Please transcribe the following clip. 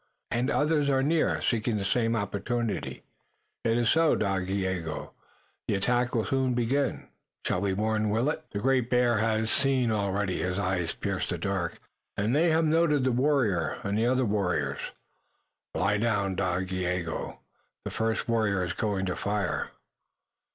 "And others are near, seeking the same opportunity." "It is so, Dagaeoga. The attack will soon begin." "Shall we warn Willet?" "The Great Bear has seen already. His eyes pierce the dark and they have noted the warrior, and the other warriors. Lie down, Dagaeoga, the first warrior is going to fire."